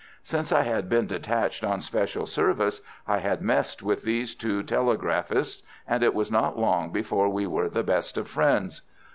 Since I had been detached on special service I had messed with these two telegraphists, and it was not long before we were the best of friends.